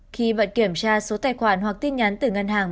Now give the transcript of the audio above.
khi vận kiểm tra số tài khoản hoặc tin nhắn từ ngân hàng